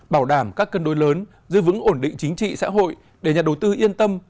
bảo đảm các cân đối lớn giữ vững ổn định chính trị xã hội để nhà đầu tư yên tâm